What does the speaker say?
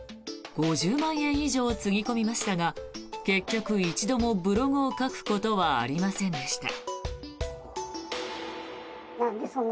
５０万円以上つぎ込みましたが結局、一度もブログを書くことはありませんでした。